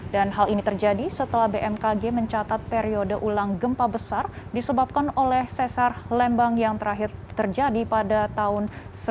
dan hal ini terjadi setelah bmkg mencatat periode ulang gempa besar disebabkan oleh sesar lembang yang terakhir terjadi pada tahun seribu enam ratus